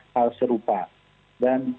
hal serupa dan